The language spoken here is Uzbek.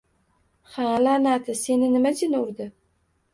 Ha, la’nati, seni nima jin urdi